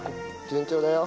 順調だよ。